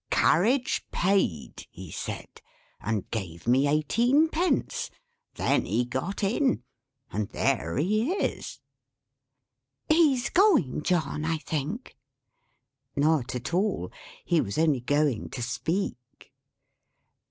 'Carriage Paid,' he said; and gave me eighteenpence. Then he got in. And there he is." "He's going, John, I think!" Not at all. He was only going to speak.